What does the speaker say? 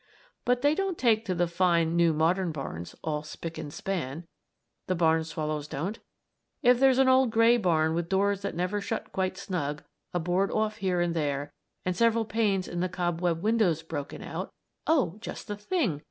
But they don't take to the fine, new modern barns all spick and span the barn swallows don't. If there's an old gray barn with doors that never shut quite snug, a board off here and there, and several panes in the cob webbed windows broken out "Oh, just the thing!"